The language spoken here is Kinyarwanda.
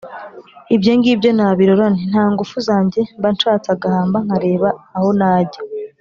Ibyo ngibyo nabirora Nti: nta ngufu zanjyeMba nshatse agahamba Nkareba aho najya